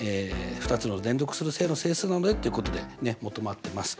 「２つの連続する正の整数なので」っていうことでねっ求まってます。